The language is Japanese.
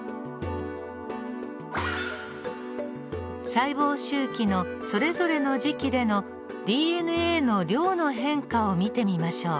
細胞周期のそれぞれの時期でのＤＮＡの量の変化を見てみましょう。